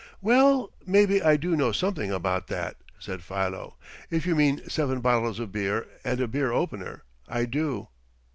"Well, maybe I do know something about that," said Philo. "If you mean seven bottles of beer and a beer opener, I do."